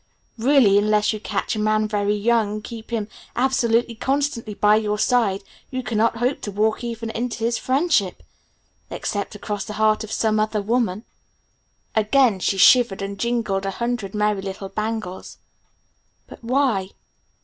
Really unless you catch a man very young and keep him absolutely constantly by your side you cannot hope to walk even into his friendship except across the heart of some other woman." Again she shivered and jingled a hundred merry little bangles. "But why?"